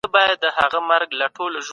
علم د طبیعت عيني قوانین ونه پېژندل.